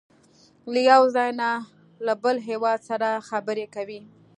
له یو ځای نه له بل هېواد سره خبرې کوي.